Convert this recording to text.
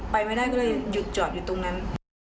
ไปไม่ได้ก็เลยหยุดจอดอยู่ตรงนั้น